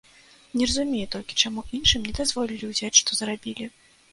Не разумею толькі, чаму іншым не дазволілі ўзяць, што зарабілі.